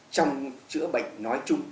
trong chữa bệnh nói chung